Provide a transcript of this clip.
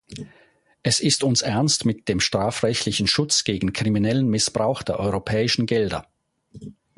Es ist uns Ernst mit dem strafrechtlichen Schutz gegen kriminellen Missbrauch der europäischen Gelder.